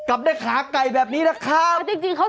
โอ้โหโอ้โห